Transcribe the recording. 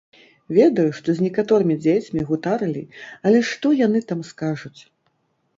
Ведаю, што з некаторымі дзецьмі гутарылі, але што яны там скажуць?